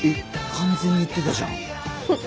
完全に言ってたじゃん。